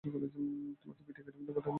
তোমাকে পিটিয়ে একাডেমীতে পাঠানোর আগে শান্ত হও।